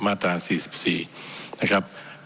มาตรา๔๔นะครับ